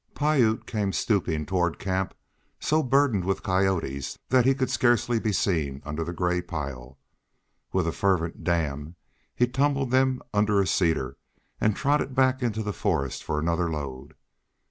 Piute came stooping toward camp so burdened with coyotes that he could scarcely be seen under the gray pile. With a fervent "damn" he tumbled them under a cedar, and trotted back into the forest for another load.